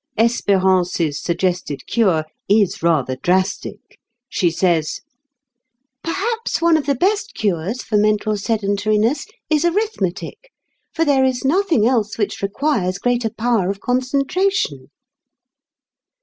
"Espérance's" suggested cure is rather drastic. She says: "Perhaps one of the best cures for mental sedentariness is arithmetic, for there is nothing else which requires greater power of concentration."